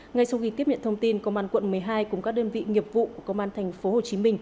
ngay sau khi tiếp nhận thông tin công an quận một mươi hai cùng các đơn vị nghiệp vụ của công an tp hcm